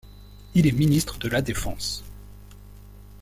Il est ministre de la Défense.